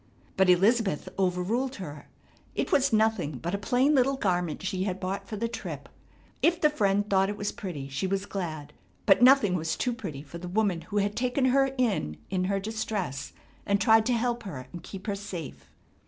But Elizabeth overruled her. It was nothing but a plain little garment she had bought for the trip. If the friend thought it was pretty she was glad, but nothing was too pretty for the woman who had taken her in in her distress and tried to help her and keep her safe.